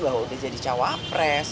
bahwa udah jadi cawapres